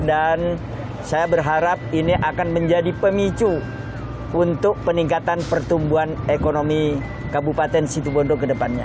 dan saya berharap ini akan menjadi pemicu untuk peningkatan pertumbuhan ekonomi kabupaten situ bondo ke depannya